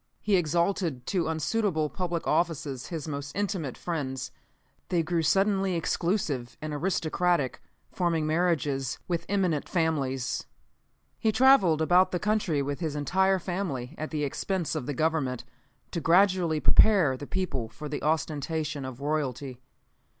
He exalted to unsuitable public offices his most intimate friends. They grew suddenly exclusive and aristocratic, forming marriages with eminent families. "He traveled about the country with his entire family, at the expense of the Government, to gradually prepare the people for the ostentation of royalty.